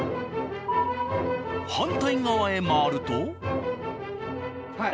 反対側へ回ると。